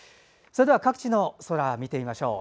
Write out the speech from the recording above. それでは各地の空見てみましょう。